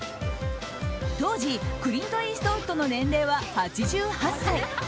当時クリント・イーストウッドの年齢は８８歳。